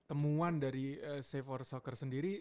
dan keungguan dari save for soccer sendiri